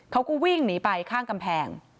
เขาก็วิ่งหนีไปข้างกำแพง